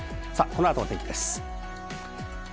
この後の天気です。